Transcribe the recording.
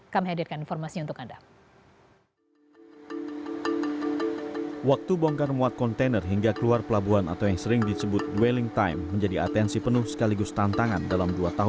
kami hadirkan informasi untuk anda